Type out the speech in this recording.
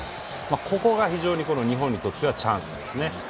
ここが非常に日本にとってはチャンスですね。